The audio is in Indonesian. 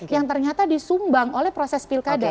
yang ternyata disumbang oleh proses pilkada